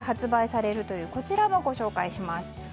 そして来月発売されるというこちらも紹介します。